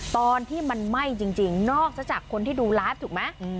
ตอนที่มันไหม้จริงนอกจากคนที่ดูไลฟ์ถูกไหม